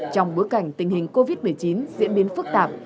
trong bối cảnh tình hình covid một mươi chín diễn biến phức tạp